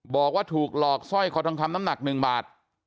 บอกว่าถูกหลอกสร้อยคอทองคำน้ำหนัก๑บาท